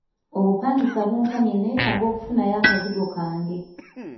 Obupangisa buntamye neetaaga okufunayo akazigo kange.